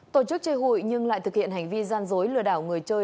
tổ chức chơi hụi nhưng lại thực hiện hành vi gian dối lừa đảo người chơi